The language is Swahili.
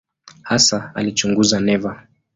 Hasa alichunguza neva.